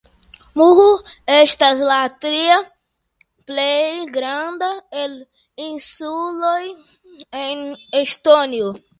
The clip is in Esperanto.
Muhu estas la tria plej granda el insuloj en Estonio.